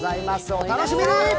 お楽しみに！